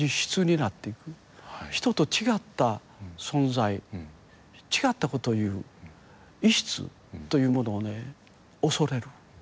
人と違った存在違ったことを言う異質というものをね恐れる。